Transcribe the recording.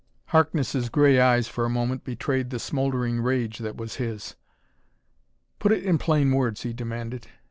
Harkness' gray eyes, for a moment, betrayed the smouldering rage that was his. "Put it in plain words," he demanded.